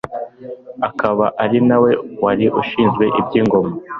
akaba ari na we wari ushinzwe iby'ingoma